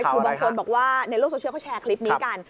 คือบางคนบอกว่าในโลกโซเชียลเขาแชร์คลิปนี้กัน